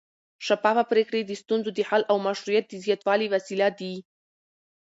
شفافه پرېکړې د ستونزو د حل او مشروعیت د زیاتوالي وسیله دي